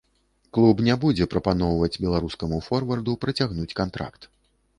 Клуб не будзе прапаноўваць беларускаму форварду працягнуць кантракт.